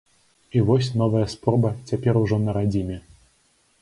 І вось новая спроба, цяпер ужо на радзіме.